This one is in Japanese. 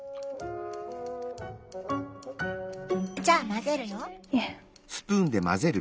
じゃあ混ぜるよ。